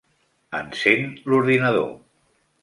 Encén l'ordinador.